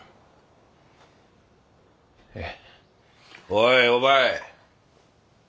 おいお前。